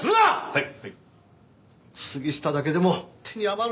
はい！